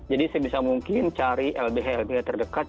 jadi sebisa mungkin cari lbh lbi terdekat